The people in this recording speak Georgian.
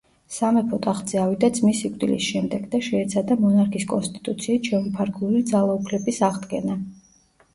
სამეფო ტახტზე ავიდა ძმის სიკვდილის შემდეგ და შეეცადა მონარქის კონსტიტუციით შემოფარგლული ძალაუფლების აღდგენა.